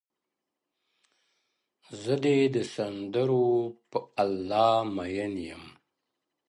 زه دې د سندرو په الله مئين يم;